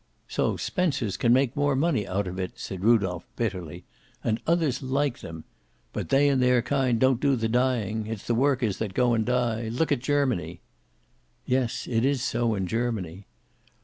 "So 'Spencers' can make more money out of it," said Rudolph bitterly. "And others like them. But they and their kind don't do the dying. It's the workers that go and die. Look at Germany!" "Yes. It is so in Germany."